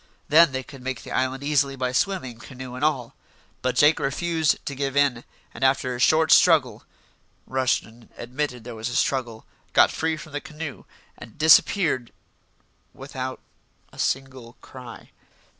Then they could make the island easily by swimming, canoe and all. But Jake refused to give in, and after a short struggle Rushton admitted there was a struggle got free from the canoe and disappeared without a single cry.